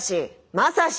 まさし！